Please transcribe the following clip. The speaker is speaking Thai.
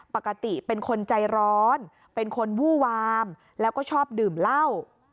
ปกติเป็นคนใจร้อนเป็นคนวู้วามแล้วก็ชอบดื่มเหล้า